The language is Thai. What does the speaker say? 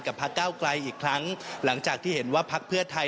พักเก้าไกลอีกครั้งหลังจากที่เห็นว่าพักเพื่อไทย